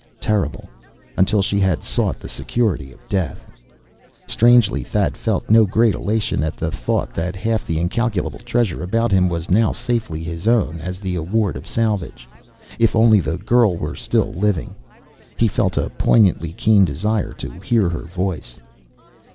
Terrible until she had sought the security of death. Strangely, Thad felt no great elation at the thought that half the incalculable treasure about him was now safely his own, as the award of salvage. If only the girl were still living.... He felt a poignantly keen desire to hear her voice.